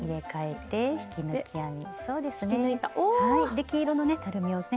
で黄色のねたるみをね